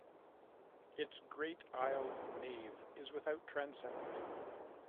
Its great aisled nave is without transept.